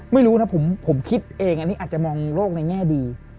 ไม่รู้นะผมคิดเองอันนี้อาจจะมองโลกในแง่ดี